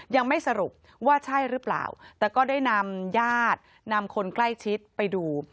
ยังไม่สรุปว่าใช่หรือเปล่าแต่ก็ได้นำญาตินำคนใกล้ชิดไปดู